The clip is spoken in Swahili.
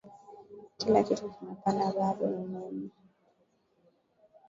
kila kitu kimepanda bado umeme